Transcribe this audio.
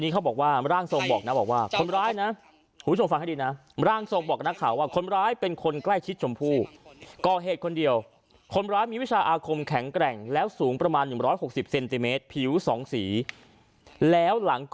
ก็จะทุกทั่งร้อนแบบนั้นณข่าวของเราแบบ